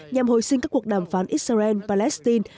nhằm hồi sinh các cuộc đàm phán israel palestine